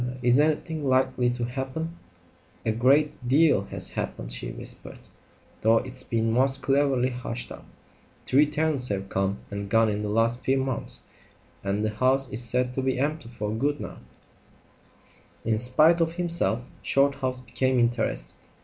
"Er is anything likely to happen?" "A great deal has happened," she whispered, "though it's been most cleverly hushed up. Three tenants have come and gone in the last few months, and the house is said to be empty for good now." In spite of himself Shorthouse became interested.